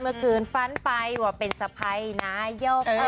เมื่อคืนฟันใบว่าเป็นสไพร์นายก